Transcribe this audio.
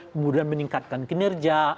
kemudian meningkatkan kinerja